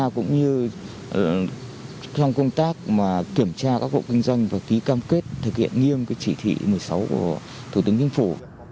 cũng như trong công tác kiểm tra các hộ kinh doanh và ký cam kết thực hiện nghiêm chỉ thị một mươi sáu của thủ tướng chính phủ